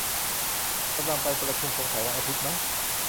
กำลังไปประชุม สงสัยวันอาทิตย์มั้ง